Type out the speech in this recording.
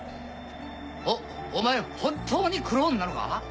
おお前本当にクローンなのか？